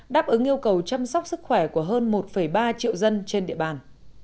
đáp ứng yêu cầu chăm sóc sức khỏe của hơn một ba triệu dân trên địa bàn